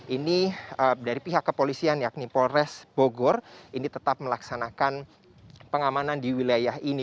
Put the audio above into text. ini dari pihak kepolisian yakni polres bogor ini tetap melaksanakan pengamanan di wilayah ini